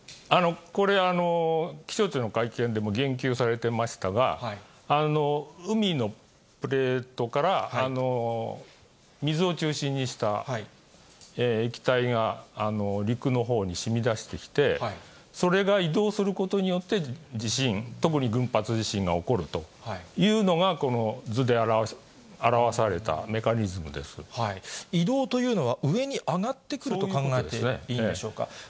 これ、気象庁の会見でも言及されてましたが、海のプレートから水を中心にした液体が陸のほうにしみ出してきて、それが移動することによって、地震、特に群発地震が起こるというのが、移動というのは、上に上がってくると考えていいんでしょうか？